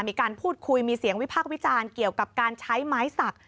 มีการพูดคุยมีเสียงวิพากษ์วิจารณ์เกี่ยวกับการใช้ไม้สัก